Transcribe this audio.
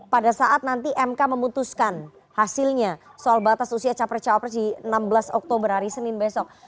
pada saat nanti mk memutuskan hasilnya soal batas usia capres cawapres di enam belas oktober hari senin besok